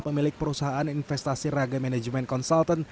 pemilik perusahaan investasi raga manajemen konsultan